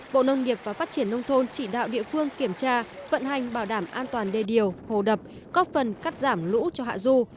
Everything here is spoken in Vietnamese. bộ nông nghiệp và phát triển nông thôn chỉ đạo địa phương kiểm tra vận hành bảo đảm an toàn đề điều hồ đập góp phần cắt giảm lũ cho hạ du